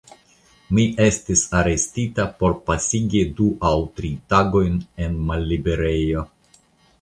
Mi estis arestita por pasigi du aŭ tri tagojn en malliberejo.